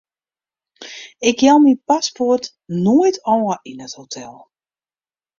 Ik jou myn paspoart noait ôf yn in hotel.